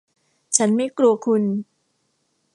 ฉันไม่กลัวคุณ